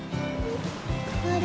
あれ？